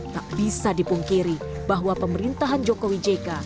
tak bisa dipungkiri bahwa pemerintahan jokowi jk